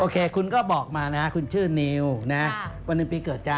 คุณก็บอกมานะคุณชื่อนิวนะวันหนึ่งปีเกิดจ๊ะ